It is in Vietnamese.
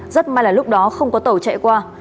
rất may là lúc đó không có tàu chạy qua